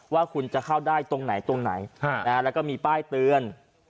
ว่าคุณจะเข้าได้ตรงไหนตรงไหนแล้วก็มีป้ายเตือน